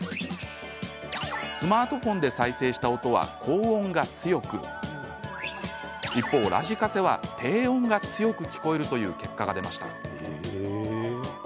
スマートフォンで再生した音は高音が強く一方、ラジカセは低音が強く聞こえるという結果が出ました。